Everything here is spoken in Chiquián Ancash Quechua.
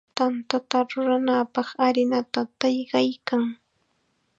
Tantata rurananpaq harinata taqllaykan.